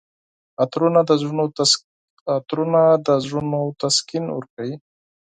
عطرونه د زړونو تسکین ورکوي.